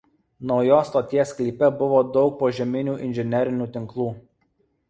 Naujos stoties sklype buvo daug požeminių inžinerinių tinklų.